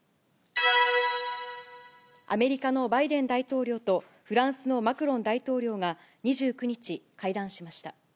アメリカのバイデン大統領とフランスのマクロン大統領が２９日、会談しました。